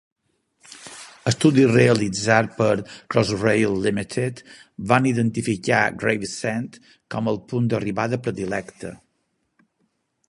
Estudis realitzats per Crossrail Limited van identificar Gravesend com el punt d'arribada predilecte.